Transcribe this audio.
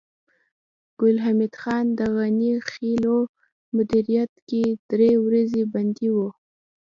ګل حمید خان د غني خېلو په مدیریت کې درې ورځې بندي و